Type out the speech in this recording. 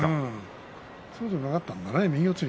そうじゃなかったね。